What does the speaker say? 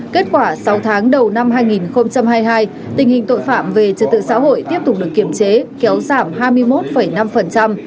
kết quả sáu tháng đầu năm hai nghìn hai mươi hai tình hình tội phạm về trật tự xã hội tiếp tục được kiểm chế kéo giảm hai mươi một năm